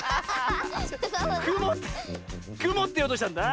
「くも」って「くも」っていおうとしたんだ。